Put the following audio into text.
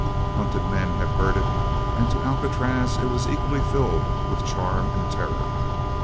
Hunted men have heard it and to Alcatraz it was equally filled with charm and terror.